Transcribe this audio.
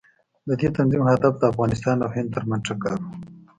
د دې تنظیم هدف د افغانستان او هند ترمنځ ټکر و.